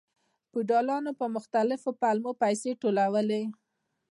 فیوډالانو په مختلفو پلمو پیسې ټولولې.